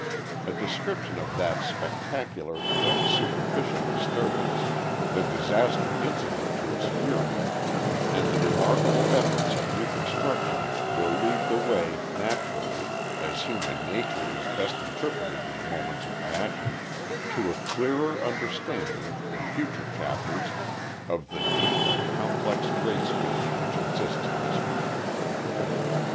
A description of that spectacular though superficial disturbance, the disaster incident to its fury, and the remarkable efforts at reconstruction will lead the way naturally as human nature is best interpreted in moments of passion to a clearer understanding, in future chapters, of the deep and complex race feeling which exists in this country.